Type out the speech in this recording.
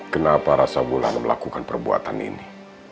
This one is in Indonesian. kenapa rasamulan melakukan perbuatan ini